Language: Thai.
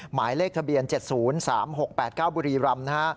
หมายเลขทะเบียน๗๐๓๖๘๙บุรีรำนะฮะ